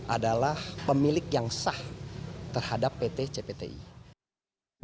adalah pemilik yang sah terhadap pt cipta televisi pendidikan indonesia